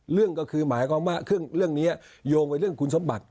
เรื่องก็คือหมายความว่าเรื่องนี้โยงไปเรื่องคุณสมบัติ